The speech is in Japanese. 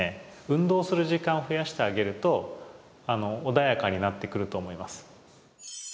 運動する時間を増やしてあげると穏やかになってくると思います。